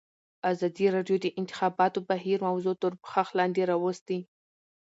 ازادي راډیو د د انتخاباتو بهیر موضوع تر پوښښ لاندې راوستې.